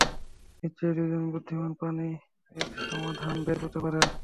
নিশ্চয়ই দুজন বুদ্ধিমান প্রাণী এর সমাধান বের করতে পারে!